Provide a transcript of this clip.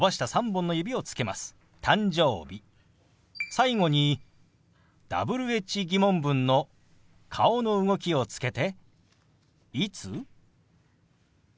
最後にＷｈ−疑問文の顔の動きをつけて「いつ？」。